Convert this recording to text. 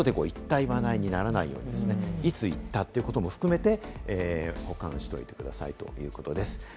後で言った、言わないにならないようにですね、いつ言ったかということも含めて、保管しておいてくださいということです。